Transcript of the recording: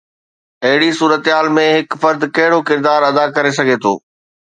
اهڙي صورتحال ۾ هڪ فرد ڪهڙو ڪردار ادا ڪري سگهي ٿو؟